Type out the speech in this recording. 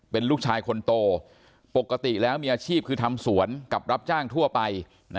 เป็นลูกชายคนโตปกติแล้วมีอาชีพคือทำสวนกับรับจ้างทั่วไป